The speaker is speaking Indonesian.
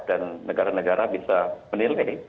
negara negara bisa menilai